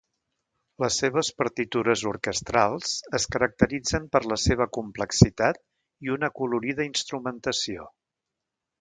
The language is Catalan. Les seves partitures orquestrals es caracteritzen per la seva complexitat i una acolorida instrumentació.